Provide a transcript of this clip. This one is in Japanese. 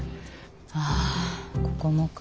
ああここもか。